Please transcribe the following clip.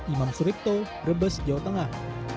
imam suripto brebes jawa tengah